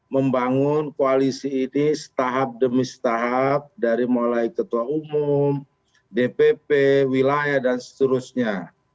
membangun koalisi ini setahap demi setahap dari mulai ketua umum dpp wilayah dan seterusnya